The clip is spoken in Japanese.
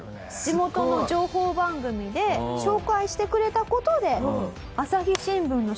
地元の情報番組で紹介してくれた事で。